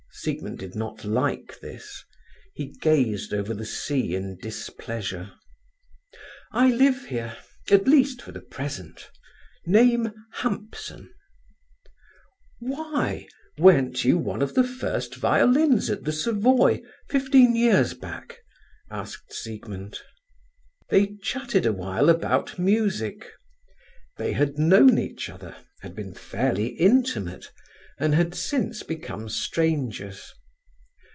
Siegmund did not like this—he gazed over the sea in displeasure. "I live here—at least for the present—name, Hampson—" "Why, weren't you one of the first violins at the Savoy fifteen years back?" asked Siegmund. They chatted awhile about music. They had known each other, had been fairly intimate, and had since become strangers.